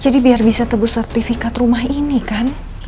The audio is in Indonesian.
jadi biar bisa tebus sertifikat rumah ini kan